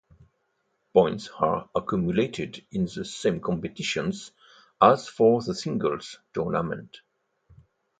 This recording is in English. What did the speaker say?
Points are accumulated in the same competitions as for the singles tournament.